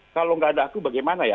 kalau nggak ada aku bagaimana ya